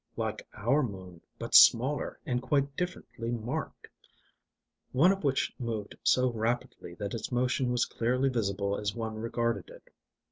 _ "like our moon but smaller, and quite differently marked" one of which moved so rapidly that its motion was clearly visible as one regarded it.